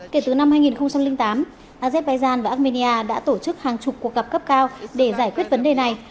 kể từ năm hai nghìn tám azerbaijan và armenia đã tổ chức hàng chục cuộc gặp cấp cao để giải quyết vấn đề này